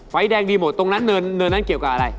ไฟแดงดีหมดตรงนั้นเนินนั้นเกี่ยวกับอะไร